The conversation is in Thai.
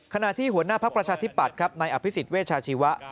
ขณะที่หัวหน้าพักประชาธิปัตย์ครับนายอภิษฎเวชาชีวะ